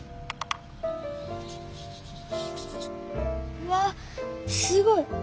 うわっすごい！